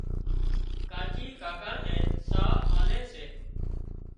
ڪاچي ڪاڪا نين ساهَه آلي سي